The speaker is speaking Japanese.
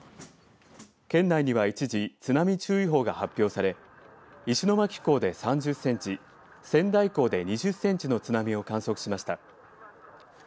県内には一時、津波注意報が発表され石巻港で３０センチ、仙台港で２０センチの津波を観測しました。